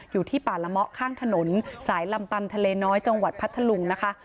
อยู่ที่ป่าละเมาะข้างถนนสายลำปำทะเลน้อยจังหวัดพัทธลุงนะคะ